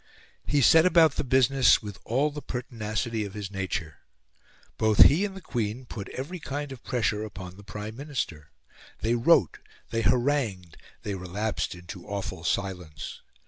He set about the business with all the pertinacity of his nature. Both he and the Queen put every kind of pressure upon the Prime Minister. They wrote, they harangued, they relapsed into awful silence.